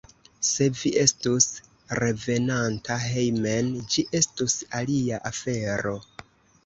Se vi estus revenanta hejmen, ĝi estus alia afero.